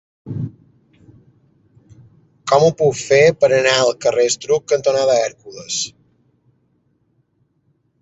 Com ho puc fer per anar al carrer Estruc cantonada Hèrcules?